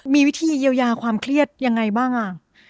มีวิธีเยียวยาความเครียดยังไงบ้างอ่ะ